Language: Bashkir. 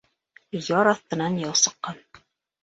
Яр аҫтынан яу сыҡҡан.